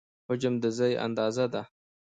حجم د ځای اندازه ده.